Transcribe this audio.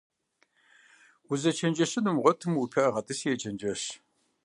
Узэчэнджэщын умыгъуэтмэ, уи пыӀэ гъэтӏыси ечэнджэщ.